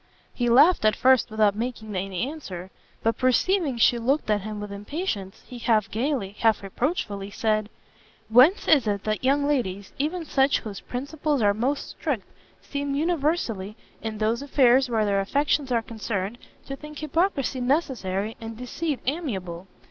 He laughed at first without making any answer; but perceiving she looked at him with impatience, he half gaily, half reproachfully, said, "Whence is it that young ladies, even such whose principles are most strict, seem universally, in those affairs where their affections are concerned, to think hypocrisy necessary, and deceit amiable?